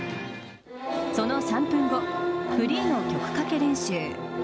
その３分後フリーの曲かけ練習。